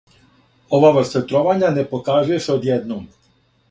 Ова врста тровања не показује се одједном.